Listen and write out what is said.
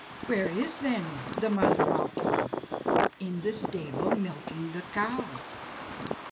"Where is, then, the mother Malcho?" "In the stable, milking the cow."